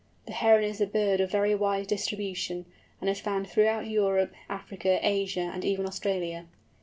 The Heron is a bird of very wide distribution, and is found throughout Europe, Africa, Asia, and even Australia.